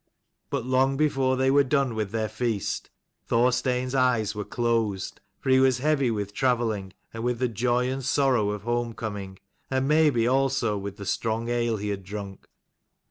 But long before they were done with their feast, Thorstein's eyes were closed, for he was heavy with travelling, and with the joy and sorrow of home coming, and maybe also with the strong ale he had drunk.